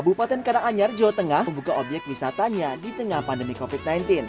kabupaten karanganyar jawa tengah membuka obyek wisatanya di tengah pandemi covid sembilan belas